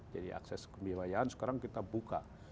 jadi akses ke pembiayaan sekarang kita buka